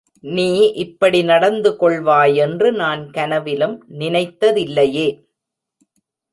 நீ இப்படி நடந்து கொள்வாயென்று நான் கனவிலும் நினைத்ததில்லையே.